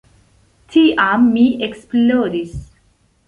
Tiam mi eksplodis.